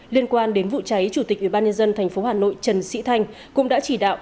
liên quan đến vụ cháy chủ tịch ủy ban nhân dân thành phố hà nội trần sĩ thanh cũng đã chỉ đạo